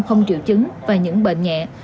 không triệu chứng và những bệnh nhẹ